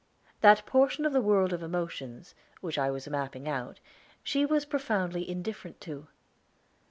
That portion of the world of emotions which I was mapping out she was profoundly indifferent to.